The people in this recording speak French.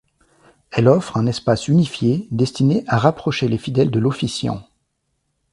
Elle offre un espace unifié destiné à rapprocher les fidèle de l'officiant.